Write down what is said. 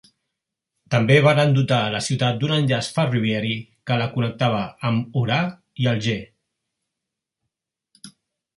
També varen dotar la ciutat d'un enllaç ferroviari que la connectava amb Orà i Alger.